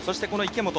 、池本